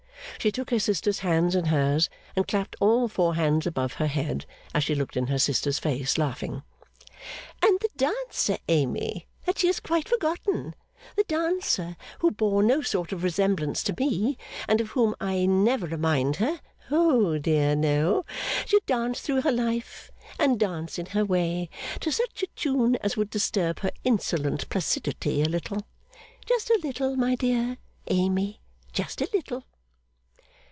She took her sister's hands in hers, and clapped all four hands above her head as she looked in her sister's face laughing: 'And the dancer, Amy, that she has quite forgotten the dancer who bore no sort of resemblance to me, and of whom I never remind her, oh dear no! should dance through her life, and dance in her way, to such a tune as would disturb her insolent placidity a little. Just a little, my dear Amy, just a little!